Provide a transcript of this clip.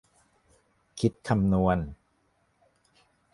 คิดคำนวณ